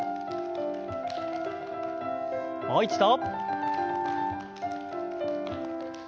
もう一度。